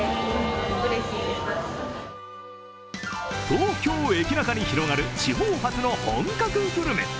東京駅ナカに広がる地方発の本格グルメ。